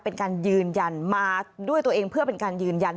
เป็นการยืนยันมาด้วยตัวเองเพื่อเป็นการยืนยัน